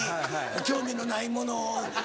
興味のないものを。